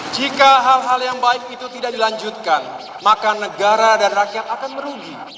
jika hal hal yang baik itu tidak dilanjutkan maka negara dan rakyat akan merugi